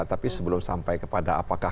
tapi sebelum sampai kepada apakah